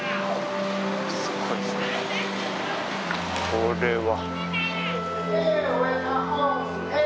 これは。